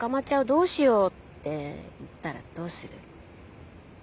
どうしよう」って言ったらどうする？